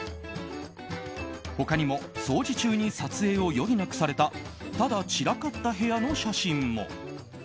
他にも掃除中に撮影を余儀なくされたただ散らかった部屋の写真も。